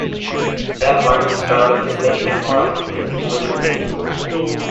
That marked the start of a steady decline in his political influence.